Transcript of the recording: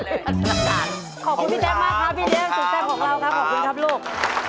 ขอบคุณพี่แจ๊คมากครับพี่เลี้ยงสุดแซ่บของเราครับขอบคุณครับลูก